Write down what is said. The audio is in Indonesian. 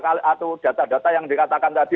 atau data data yang dikatakan tadi